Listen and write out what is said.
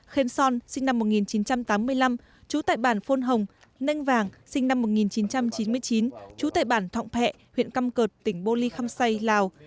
khên son sinh năm một nghìn chín trăm tám mươi năm chú tại bản phôn hồng nênh vàng sinh năm một nghìn chín trăm chín mươi chín chú tại bản thọng phẹ huyện căm cợt tỉnh bô ly khăm say lào